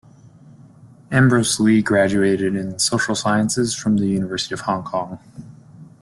Ambrose Lee graduated in Social Sciences from the University of Hong Kong.